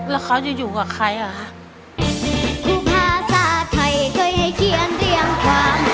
แล้วเขาจะอยู่กับใครอ่ะคะคือภาษาไทยเคยให้เขียนเรียงความ